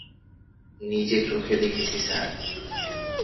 নিজে চোখে দেখেছি স্যার!